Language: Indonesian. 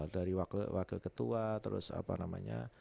dari wakil ketua terus apa namanya